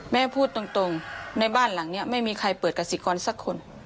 แม่พูดตรงในบ้านหลังนี้ไม่มีใครเปิดกสิกรสักคน